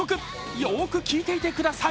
よーく聞いていてください。